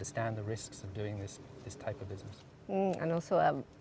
dan juga jika itu membuktikan bahwa